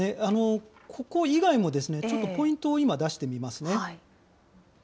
ここ以外も、ちょっとポイントを今、出してみますね。